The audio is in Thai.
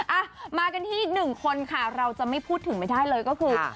อ่ะมากันที่อีกหนึ่งคนค่ะเราจะไม่พูดถึงไม่ได้เลยก็คือ